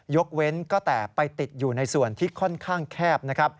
ยกเว้นก็แต่ไปติดอยู่ในส่วนที่ค่อนข้างแคบนะครับ